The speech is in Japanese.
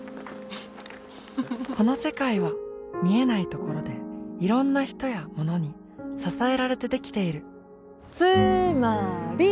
この世界は見えないところでいろんな人やものに支えられてできているつーまーり！